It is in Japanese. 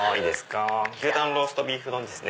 牛たんのローストビーフ丼ですね